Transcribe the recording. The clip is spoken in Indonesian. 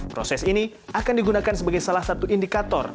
proses ini akan digunakan sebagai salah satu indikator